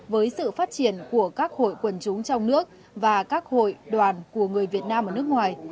với sự phát triển của các hội quần chúng trong nước và các hội đoàn của người việt nam ở nước ngoài